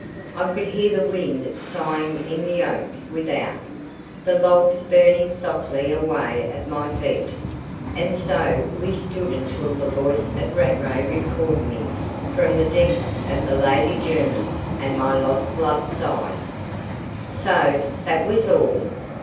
I could hear the wind sighing in the oaks without, the logs burning softly away at my feet And so we stood until the voice of Rattray recalled me from the deck of the Lady Jermyn and my lost love's side. "So that was all!"